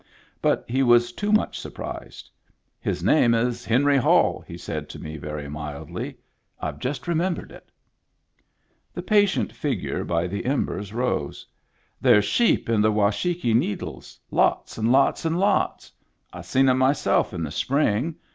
But he was too much surprised. " His name is Henry Hall," he said to me very mildly. "I've just remembered it" The patient figure by the embers rose. " There's sheep in the Washakie Needles. Lots and lots and lots. I seen 'em myself in the spring.